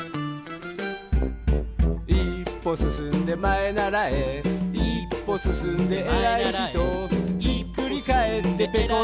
「いっぽすすんでまえならえ」「いっぽすすんでえらいひと」「ひっくりかえってぺこり